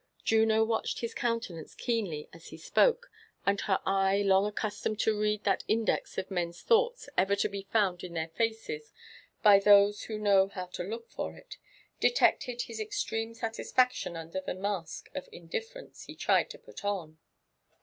Juno watched his countenance keenly as he spoke ; and her eye, long accustomed to read that index of men's thoughts ever to be found in their faces by those who know how to look for it, detected his extreme satisfaction under the mask of indinyence he tried to put on.